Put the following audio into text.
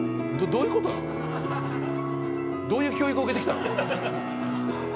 どういう教育を受けてきたの？